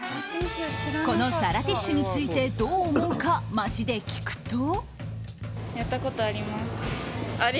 この皿ティッシュについてどう思うか、街で聞くと。